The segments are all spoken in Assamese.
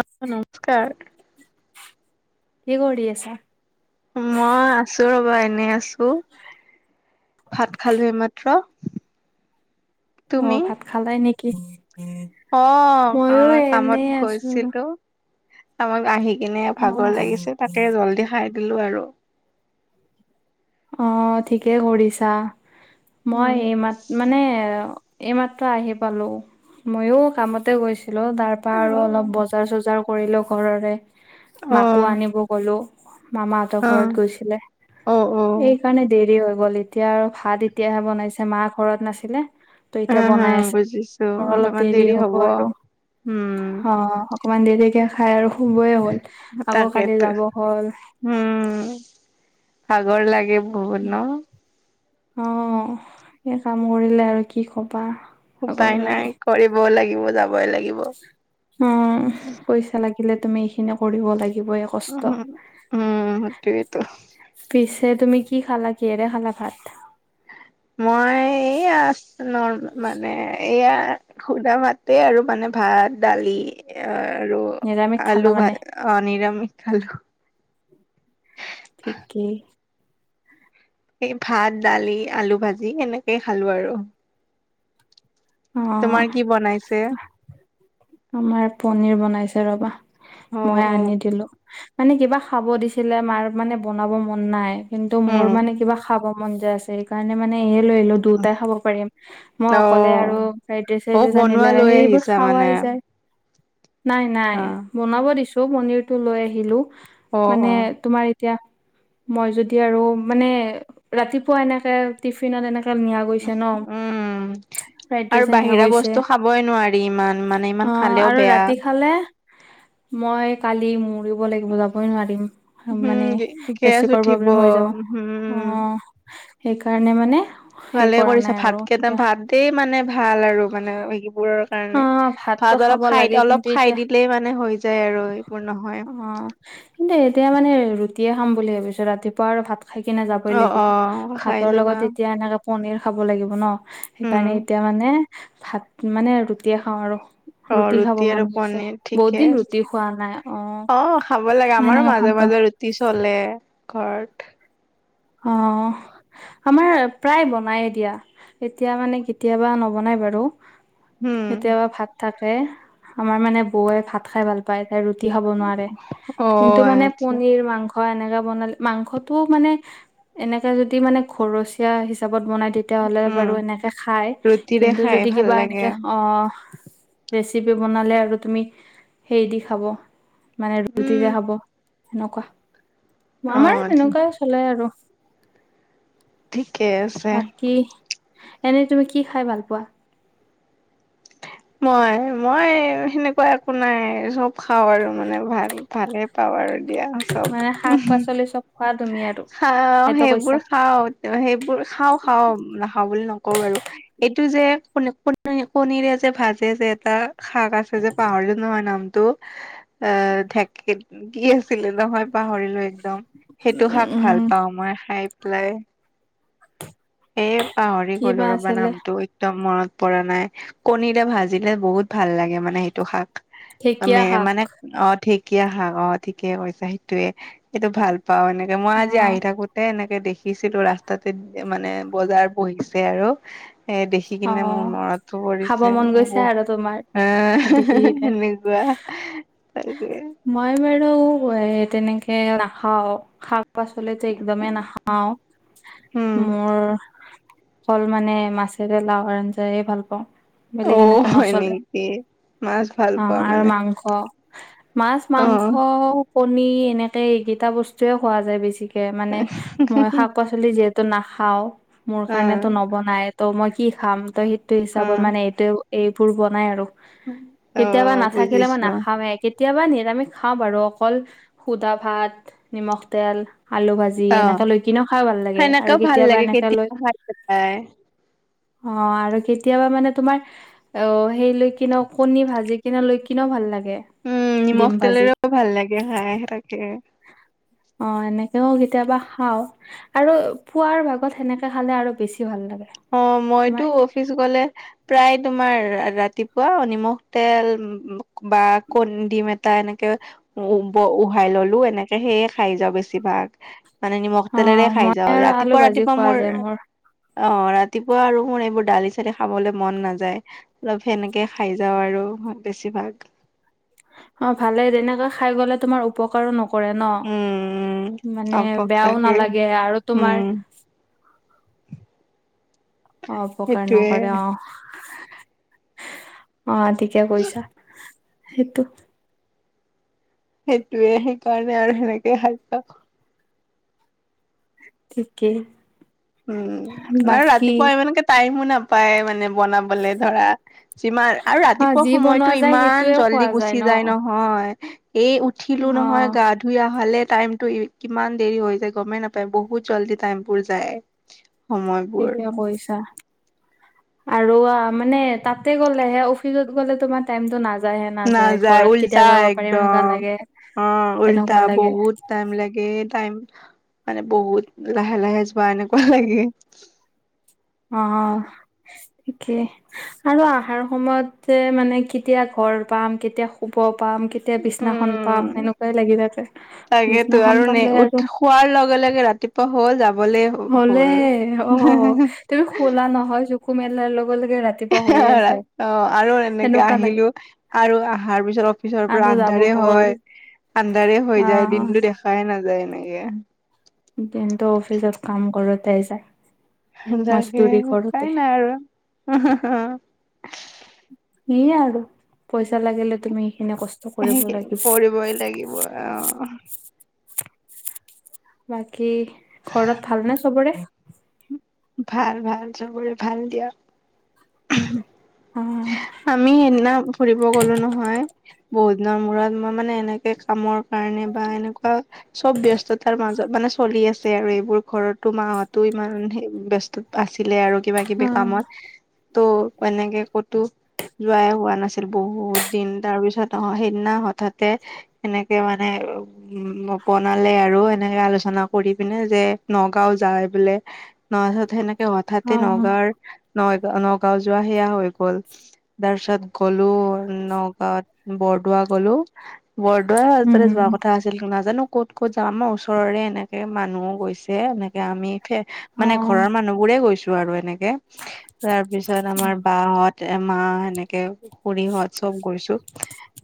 অ', নমস্কাৰ। কি কৰি আছা? মই আছোঁ ৰবা এনে আছোঁ। ভাত খালোঁ এইমাত্ৰ। অ', তুমি ভাত খালাই নেকি? অ', ময়ো অ', কামত এনেই আছো ৰ'বা। গৈছিলোঁ। কামক আহি কিনে অ', ভাগৰ লাগিছে তাকে জল্দি খাই দিলোঁ আৰু। অ', ঠিকে কৰিছা, মই উম এই মাত মানে এইমাত্ৰ আহি পালোঁ, মইও কামতে গৈছিলোঁ। তাৰ আৰু অলপ বজাৰ-চজাৰ কৰিলোঁ ঘৰৰে, অ মাকো আনিব গ'লো মামাহঁতৰ অ ঘৰত গৈছিলে। অ', অ'। এই কাৰণে দেৰি হৈ গ'ল, এতিয়া আৰু ভাত এতিয়াহে বনাইছে মা ঘৰত নাছিলে। ত হা এতিয়া হা বনাই আছে। বুজিছো মোৰ অলপ অলপমান দেৰি হ'ব আৰু উম অ'। অকমান দেৰিকে খাই আৰু শুবই হ'ল আকৌ কালি তাকেতো যাব হ'ল। উ'ম, ভাগৰ লাগে বহুত ন? অ', এই কাম কৰিলে আৰু কি কবা। ভাগৰ উপায় লাগে নাই কৰিবও লাগিব, যাবই লাগিব। উ'ম, পইচা লাগিলে তুমি এইখিনি কৰিব লাগিব। এক উ'ম, হু'ম, উ'ম সেইটোৱেতো। পিছে তুমি কি খালা, কিহেৰে খালা ভাত? মই এইয়া, ন মানে এয়া। সুদা ভাতে আৰু মানে ভাত, দালি আৰু নিৰামিষ খালা আলু ভা মানে অ', নিৰামিষ খালোঁ। ঠিকেই। এই ভাত, দালি, আলু ভাজি সেনেকেই খালোঁ আৰু। তোমাৰ অ'। কি বনাইছে আমাৰ পনিৰ বনাইছে ৰবা, অ মই অ আনি দিলোঁ। মানে কিবা খাব দিছিলে, মাৰ মানে বনাব মন নাই। কিন্তু মোৰ উম মানে কিবা খাব মন যায় আছে। সেইকাৰণে মানে এয়ে লৈ আহিলোঁ। দুটাই খাব পাৰিম। মই অ অকলে আৰু ফ্ৰাইড ৰাইচ অ চাইদেচ বনোৱা আনিলে, লৈ সেইবোৰ আহিছা মানে খাৱাই যায়। নাই-নাই অ বনাব দিছোঁ, পনিৰটো লৈ আহিলোঁ। অ অ মানে তোমাৰ এতিয়া মই যদি আৰু মানে ৰাতিপুৱা এনেকে টিফিনত এনেকে নিয়া গৈছে ন? উম ফ্ৰাইড আৰু ৰাইচ নিয়া বাহিৰা গৈছে। বস্তু খাবই নোৱাৰি ইমান মানে ইমান অ', খালেও আৰু বেয়া ৰাতি খালে মই কালি মৰিব লাগিব, যাবই নোৱাৰিম। উম মানে গে গেছ গেষ্টিকৰ উঠিব প্ৰব্লেম হৈ যাব। উম অ', সেইকাৰণে মানে সেই ভালে কৰা কৰিছা নাই আৰু ভাতকেইটা এতিয়া ভাত দেই মানে ভাল আৰু মানে হেৰিবোৰ অ কাৰণে ভাতটো ভাত খাব অলপ খাই লাগে কিন্তু অলপ এতিয়া খাই দিলেই মানে হৈ যায় আৰু এইবোৰ নহয়। অ কিন্তু এতিয়া মানে ৰুটিয়ে খাম বুলি ভাবিছোঁ, ৰাতিপুৱা আৰু ভাত খাই কিনে যাবই অ অ লাগিব। খাই ভাতৰ যাবা লগত এতিয়া এনেকে পনীৰ খাব লাগিব ন, সেইকাৰণে উম এতিয়া মানে ভাত মানে ৰুটিয়ে খাওঁ আৰু। অ', খাব ৰুটি আৰু মন গৈছে পনীৰ বহুত ঠিকে দিন ৰুটি আছে। খোৱা নাই অ', খাব লাগে আমাৰো সেনেকে ভাল পাওঁ মাজে-মাজে ৰুটি তি চলে ঘৰত। অ'। আমাৰ প্ৰায় বনায়ে দিয়া, এতিয়া মানে কেতিয়াবা নবনাই বাৰু। উম কেতিয়াবা ভাত থাকে, আমাৰ মানে বৌৱে ভাত খাই ভাল পায়, তাই ৰুটি খাব নোৱাৰে। অ কিন্তু মানে আচ্ছা পণিৰ, মাংস অ', এনেকা বনালে মাংসটো মানে এনেকে যদি মানে ঘৰচীয়া হিচাপত বনাই তে তেতিয়াহ'লে উম বাৰু এনেকে খায়, ৰুটিৰে কিন্তু খাই যদি ভাল কিবা লাগে এনেকে অ'। ৰেচিপি বনালে আৰু তুমি সেই দি খাব, মানে উম ৰুটিৰে খাব। সেনকা। অ সেই ঠিক তেনেকুৱাই চলে আৰু। ঠিকে। আছে বাকী, এনেই তুমি কি খাই ভাল পোৱা? মই? মই সেনেকুৱা একো নাই, চব খাওঁ আৰু মানে ভাল ভালে পাওঁ আৰু দিয়া চব, মানে শাক উম। পাচলি চ'ব খোৱা? তুমি আৰু খাওঁ, সেইটো কৈছা সেইবোৰ খাওঁ। অ', সেইবোৰ খাওঁ-খাওঁ, নাখাওঁ বুলি নকওঁ বাৰু। এইটো যে, ক-ক-কণীৰে যে ভাজে যে এটা? শাক আছে যে? পাহৰিলোঁ নহয় নামটো। অ', ঢেকিত, কি আছিলে নহয় পাহৰিলোঁ। একদম। সেইটো শাক উম ভাল পাওঁ মই খাই পেলাই। এ পাহৰি কি বা গলোঁ ৰ'বা আছিলে নামটো? একদম মনত পৰা নাই। কণীৰে ভাজিলে বহুত ভাল লাগে মানে সেইটো শাক। ঢেকীয়া মে শাক মানে অ', ঢেঁকীয়া শাক অ', ঠিকে কৈছা সেইটোৱে। সেইটো ভাল পাওঁ, এনেকে মই অ আজি আহি থাকোঁ তে এনেকে দেখিছিলোঁ ৰাস্তাতে মানে বজাৰ বহিছে আৰু। এ দেখি দেখি অ কিনে মোৰ মনটো খাব পৰিছে, মন গৈছে বহু আৰু তোমাৰ দেখিলে [unintelligible] সেনেকুৱা তাকে। মই বাৰু এ তেনেকে নাখাও। খা পাচলিটো একদমেই নাখাওঁ। উম মোৰ অকল মানে মাছেৰে লাউ আঞ্জায়ে ভাল পাওঁ। অ বেলেগ এনেকে হয় নচলে। নেকি মাছ ভাল অ পোৱা আৰু মানে মাংস মাছ, অ মাংস, কণী এনেকে এইকেইটা বস্তুৱে খোৱা যায় বেছিক কে মানে মই শাক-পাচলি যিহেতু নাখাও, মোৰ অ কাৰণেতো নবনায়। ত' মই কি খাম? ত' সেইটো অ হিচাপত মানে এইটোৱে এইবোৰ বনাই আৰু। অ কেতিয়াবা নাথাকিলে মই বুজিছো নাখাৱে। কেতিয়াবা নিৰামিষ খাও বাৰু। অকল শুদা ভাত, নিমখ তেল আলু ভাজি অ এনেকা লৈ কেনেও খাই ভাল লাগে। আৰু কেতিয়াবা এনেকে লৈ হয়। অ আৰু কেতিয়াবা মানে তোমাৰ অ সেইলৈ কিনেও কণী ভাজি কিনে লৈ কিনেও ভাল লাগে। উম ডিম নিমখ ভাজি তেলেৰেও ভাল লাগে খাই তাকে। অ এনেকেও কেতিয়াবা খাও। আৰু পুৱাৰ ভাগত সেনেকে খালে আৰু বেছি ভাল লাগে। অ মইতো তোমাৰ অফিচ গলে প্ৰায় তোমাৰ ৰাতিপুৱা নিমখ তেল বা কণ ডিম এটা এনেকে উ ব উহাই ল'লো এনেকে সেয়ে খাই যাওঁ বেছিভাগ। মানে নিমখ অ তেলেৰে খাই মই যাওঁ। আৰু আলু ৰাতিপুৱা ভাজি ৰাতিপুৱা খোৱা মোৰ যায় অ ৰাতিপুৱা আৰু মোৰ এইবোৰ দালি-চালি খাবলে মন নাযায়। অলপ সেনেকে খাই যাওঁ আৰু বেছিভাগ। অ ভালে, তেনেকে খাই গ'লে তোমাৰ উপকাৰো নক কৰে ন? উম, মানে অপক বেয়াও লাগে নালাগে আৰু উম, তোমাৰ অ উপকাৰ সেইটোয়ে নকৰে অ। অ ঠিকে কৈছা সেইটো। সেইটোৱে সেইকাৰণে আৰু সেনেকে খাই যাও। ঠিকেই। উম আৰু বাকী ৰাতিপুৱা ইমানকে টাইমো নাপায় মানে বনাবলে ধৰা। যিমান আৰু অ ৰাতিপুৱা যি বনোৱা সময়তো যায় ইমান সেইটোয়ে খোৱা জল্দি গুচি যায় ন হয় এই উঠিলো অ নহয় গা ধ ধুই অহালে টাইমটো কিমান দেৰি হৈ যায় গমেই নাপায়। বহুত জল্দি টাইমবোৰ যায়। সময়বোৰ ঠিকে কৈছা। আৰু অ মানে তাতে গ'লেহে অফিচত গ'লে তোমাৰ টাইমটো নাযায় হে নাযায়। ঘৰত উল্টা কেতিয়া যাব পাৰিম এনেকুৱা একদম লাগে, অ উল্টা এনেকুৱা লাগে। বহুত টাইম লাগে টাইম মানে বহুত লাহে লাহে যোৱা এনেকুৱা লাগে। অ, অ ঠিকে। আৰু আহাৰ সময়ত তে মানে কেতিয়া ঘৰ পাম, কেতিয়া শুব পাম, কে কেতিয়া বিছনাখন পাম উম সেনেকুৱাই লাগি থাকে। তাকেতো বিছনাখন আৰু নে পালে উঠ আৰু শোৱাৰ লগে লগে ৰাতিপুৱা হ'ল যাবলে হ'লে হ'ল অ তুমি শুলা নহয় চকু মেলাৰ লগে লগে ৰাত [unintelligible] অ আৰু এনেকে লাগে আহিলো আৰু আহাৰ পিছত পিছৰ পৰা আৰু যাব আন্ধাৰে হ'ল হয়। আন্ধাৰে হৈ যায় আহ দিন বুলি দেখাই নাযায় এনেকে। দিনটো অফিচত কাম কৰোতে যায়। তাকে মাছদুৰি কৰোতে উপায় নাই আৰু [unintelligible] সেইয়াই আৰু পইচা লাগিলে তুমি সেইখিনি কচ সেইখিনি কৰিবই লাগিব অহ। বাকী ঘৰত ভাল নে চবৰে? ভাল, ভাল চবৰে ভাল দিয়া। উম। আমি সেইদিনা ফুৰিব গলো নহয় বহুত দিনৰ মূৰত। মই মানে এনেকে কামৰ কাৰণে বা এনেকুৱা চব ব্যস্ততাৰ মাজত মানে চলি আছে আৰু এইবোৰ। ঘৰতো মাহঁতো ইমান সেই ব্যস্ত আছিলে আৰু অ কিবা-কিবি কামত। ত' এনেকে ক'তো যোৱাই হোৱা নাছিল বহুত দিন। তাৰ পিছত অ সেইদিনা হঠাতে সেনেকে মানে উম বনালে আৰু এনেকে আলোচনা কৰি পিনে যে নগাঁও যায় বোলে ন থত সেনেকে হঠাতে অ নগাঁৱ নইগা নগাঁও যোৱা সেয়া হৈ গ'ল তাৰপিছত গলো নগাঁৱত বৰদোৱা গলো বৰদোৱা সেফালে যোৱা উম কথা আছিল। তেল কে নাজানো ক'ত ক'ত যাওঁ আমাৰ ওচৰৰে এনেকে মানুহ গৈছে এনেকে আমি খে অ মানে ঘৰৰ মানুহবোৰে গৈছো আৰু এনেকে তাৰ পিছত আমাৰ বাহত তে মা সেনেকে খুৰীহত চব গৈছো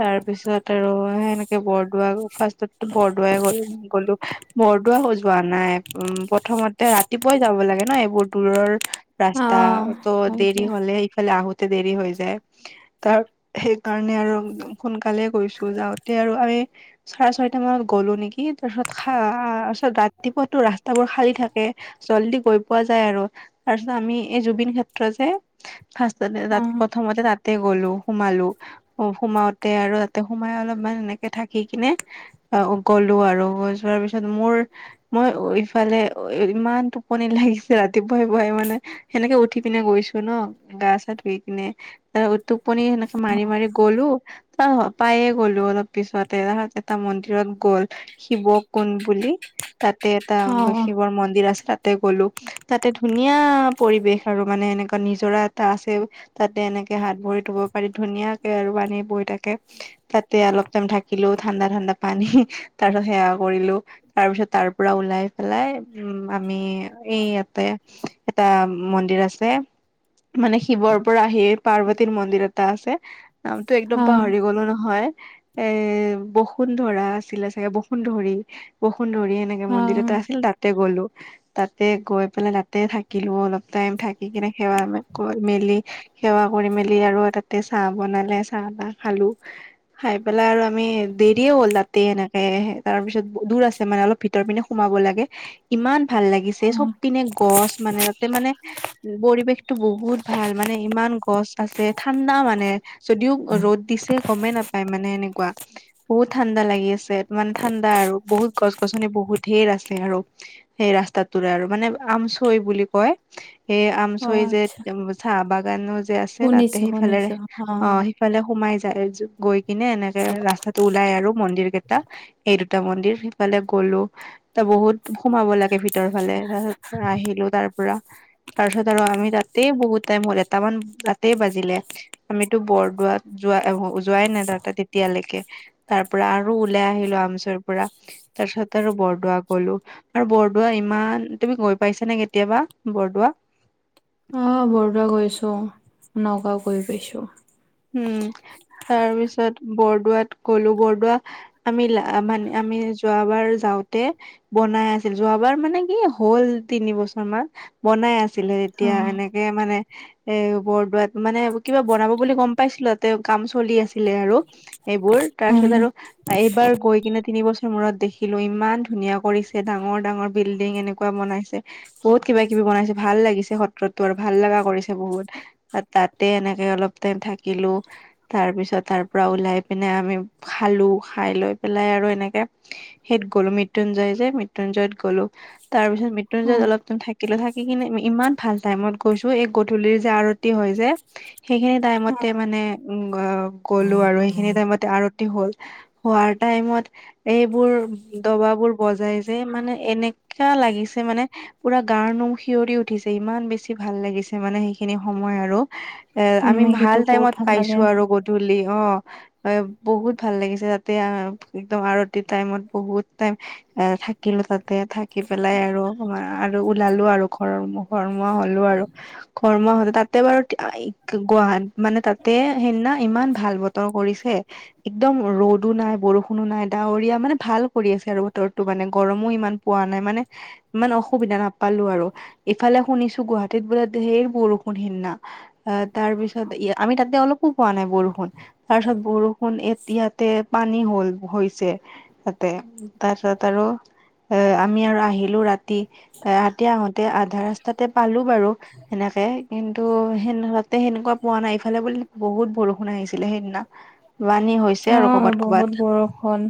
তাৰ পিছত আৰু সেনে বৰডোৱা ফাৰ্ষ্টততটো বৰডুৱা গলো। এহ বৰদোৱা হৈ যোৱা নাই, উম প্ৰথমতে ৰাতিপুৱাই যাব লাগে ন এই ব দূৰৰ অ ৰাস্তা ত' হয় দেৰি দিয়া হলে ইফালে আহোতে দেৰি হৈ যায়। তাৰ সেইকাৰণে আৰু সোনকালে গৈছো যাওঁতে আৰু আমি চাৰে ছয়টা মানত গ'লো নেকি তাৰপিছত সাৰা অ ৰাতিপুৱাতো ৰাস্তাবোৰ খালী থাকে। জল্দি গৈ পোৱা যায় আৰু তাৰ পিছত আমি এই জুবিন ক্ষেত্ৰ যে ফাষ্টতে অ তাত প্ৰথমতে তাত তাতে গলো সোমালো সোমাওতে আৰু তাতে সোমাই অলপমান এনেকে থাকি কিনে অ গ'লো আৰু যোৱাৰ পিছত মোৰ মই ইফালে অ ই ইমান টোপনি লাগিছে ৰাতিপুৱাই পুৱাই মানে। সেনেকে উঠি পিনে গৈছো ন, গা চা ধুই পিনে ত টোপনি সেনেকে মাৰি মাৰি গলো অ পায়ে গ'লো অলপ পিছতে তাৰপিছত এটা মন্দিৰত গ'ল। শিৱ কুণ বুলি তাতে এটা অ শিৱৰ মন্দ দিৰ আছে তাতে গ'লো তাতে ধুনীয়া পৰিৱেশ আৰু মানে এনেকুৱা নিজৰা এটা আছে। তাতে এনেকে হাত ভৰি ধুব পাৰি ধুনীয়াকে আৰু পানী বৈ থাকে। তাতে অলপ টাইম থাকিলো ঠাণ্ডা ঠাণ্ডা পানী তাৰ সেৱা কৰিলো। তাৰ পিছত তাৰ পৰা ওলাই পেলাই উম আমি এই ইয়াতে এটা মন্দিৰ আছে। মানে শিৱৰ পৰা আহি পাৰ্বতীৰ মন্দিৰ এটা আছে। নামটো অ একদম পাহৰি গ'লো নহয়। এ বসুন্ধৰা আছিলে চাগে বসুন্ধৰি বসুন্ধৰি এনে কে অ মন্দিৰ এটা আছিল তাতে গ'লো। তাতে গৈ পেলাই তাতে থাকিলো, অলপ টাইম থাকি কিনে সেৱা কৈ মেলি সেৱা কৰি মেলি আৰু তাতে চাহ বনালে চাহ তাহ খালো। খাই পেলাই আৰু আমি দেৰিয়ে হ'ল তাতে এনেকে তাৰপিছত দূৰ আছে মানে অলপ ভিতৰ পিনে সোমাব লাগে ইমান ভাল লাগিছে চব উম, পিনে গছ মানে তাতে মানে পৰিৱেশটো বহুত ভাল মানে ইমান গছ আছে ঠাণ্ডা মানে। যদিও ৰ'দ দিছে গমেই নাপায় মানে এনেকুৱা বহুত ঠাণ্ডা লাগি আছে। মানে ঠাণ্ডা আৰু বহুত গছ - গছনি বহুত ধেৰ আছে আৰু। সেই ৰাস্তাটোৰে আৰু মানে আমচৈ বুলি কয়। এই অ আমচৈৰি যে আচ্ছা চাহ বাগানো যে আছে তাতে শুনিছো সেইফালে শুনিছো অ আহ সে সিফালে সোমাই যায় যি গৈ কিনে এনেকে ৰাস্তাত টো ওলাই আৰু মন্দিৰ কেইটা এই দুটা মন্দিৰ সিফালে গলো ত বহুত সোমাব লাগে ভিতৰ ফালে তাৰ পিছত আহিলো তাৰ ৰা তাৰপিছত আৰু আমি তাতে বহুত টাইম হল এটামান তাতে বাজিলে। আমিতো বৰদোৱাত যোৱা যোৱাই নাই তাতে তেতিয়ালেকে। তাৰ পৰা আৰু ওলাই আহিলো আমচুৰ পৰা তাৰ পিছত আৰু বৰদোৱা গলো। আৰু বৰদোৱা ইমান, তুমি গৈ পাইছা নে কেতিয়াবা বৰদোৱা? অ বৰদোৱা গৈছো, নগাওঁ গৈ পাইছো। উম। তাৰপিছত বৰদোৱাত গলো বৰদোৱা আমি লা মানে আমি যোৱাবাৰ যাওঁতে বনাই আছিল যোৱাবাৰ মানে কি হ'ল তিনি বছৰ মান। বনাই আছিলে অ এতিয়া এনেকে মানে এ বৰদোৱাত মানে কিবা বনাব বুলি গম পাইছিলোঁ তাতে তেওঁ কাম চলি আছিলে আৰু এইবোৰ উম তাৰপিছত আৰু এইবাৰ গৈ কিনে তিনিবছৰ মূৰত দেখিলোঁ ইমান ধুনীয়া কৰিছে ডাঙৰ-ডাঙৰ বিল্ডিং এনে নেকুৱা বনাইছে বহুত কিবা কিবি বনাইছে ভাল লাগিছে সত্ৰতো আৰু ভাল লাগা কৰিছে বহুত। অ, তাতে এনেকে অলপ টাইম থাকিলোঁ তাৰপিছত তাৰপৰা ওলাই পিনে আমি খালো খাই লৈ পেলাই আৰু এনেকে সেইত গ'লো মৃত্যুঞ্জয় যে মৃত্যুঞ্জয়ত গ'লো। তাৰ পিছত মৃত্যুঞ্জয় উম অলপম থাকিলো থাকি কিনে ইমান ভাল টাইমত গৈছো এই গধূলিৰ যে আৰ ৰতি হৈ যে সেইখিনি টাইমত তে মানে [unintelligible] গ'লো আৰু সেইখিনি টাইমতে আৰতি হ'ল হোৱাৰ টাইমত এইবোৰ দবাবোৰ বজাই যে মানে এনেকা লাগিছে মানে পুৰা গাৰ নোম হিঞৰি উঠিছে ইমান বেছি ভাল লাগিছে মানে সেইখিনি সময় আৰু এ উম আমি সেইটো ভাল বহুত টাইমত ভাল লাগে পাইছো আৰু গধূলি অ, [unintelligible] বহুত ভাল লাগিছে তাতে [unintelligible] একদম আৰতি টাইমত বহুত টাইম এ থাকিলোঁ তাতে থাকি পেলাই আৰু [unintelligible] আৰু ওলালো আৰু ঘৰমুখৰ ঘৰমুৱা হলো আৰু ঘৰমুৱা হলো তাতে বাৰু [unintelligible] গুৱাহাট মানে তাতে সেইদিনা ইমান ভাল বতৰ কৰিছে একদম ৰ'দো নাই বৰষুণো নাই ডাৱৰীয়া মানে ভাল কৰি আছে আৰু বতৰটো মানে গৰমো ইমান পোৱা নাই মানে ইমান অসুবিধা নাপালোঁ আৰু ইফালে শুনিছো গুৱাহাটীত বোলে ধেৰ বৰষুণ সেইনা। আহ, তাৰ পিছত আমি তাতে অলপো পোৱা নাই বৰষুণ তাৰপিছত বৰষুণ এতিয়াতে পানী হল হৈছে তাতে তাৰপিছত আৰু এ আমি আৰু আহিলোঁ ৰাতি এ ৰাতি আহোতে আধা ৰাস্তাতে পালো বাৰু এনেকে কিন্তু সে [unintelligible] তাতে সেনেকুৱা পোৱা নাই ইফালে বুলি বহুত বৰষুণ আহিছিলে সেইদিনা পানী হৈছে অ আৰু কবাত- কবাত। বহুত বৰষুণ